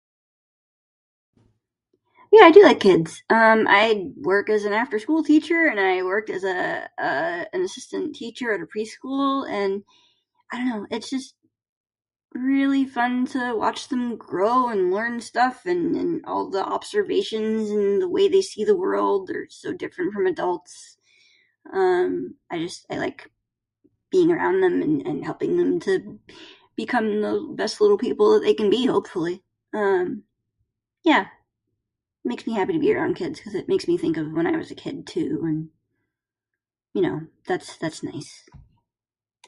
Yeah, I do like kids. Um, I work as an afterschool teacher and I worked as, uh, uh, a assistant teacher at a preschool. And I dunno, it's just really fun to watch them grow and learn stuff and and all the observations and the way they see the world are so different from adults. Um, I just I like being around them and and helping them to become the best little people that they can be, hopefully. Um, yeah, makes me happy to be around kids cuz it makes me think of when I was a kid, too, and, you know, that's that's nice.